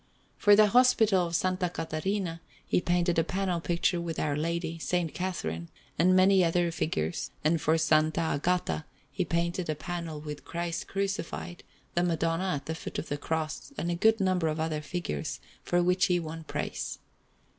For the Hospital of S. Catarina he painted a panel picture with Our Lady, S. Catharine, and many other figures; and for S. Agata he painted a panel with Christ Crucified, the Madonna at the foot of the Cross, and a good number of other figures, for which he won praise.